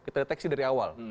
kita deteksi dari awal